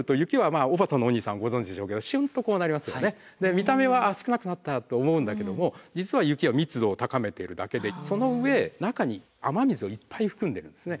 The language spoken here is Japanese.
見た目はあっ少なくなったと思うんだけども実は雪は密度を高めているだけでその上中に雨水をいっぱい含んでいるんですね。